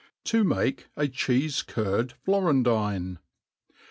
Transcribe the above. To make a Cheefe'Curd Florendine.